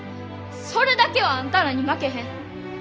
それだけはあんたらに負けへん。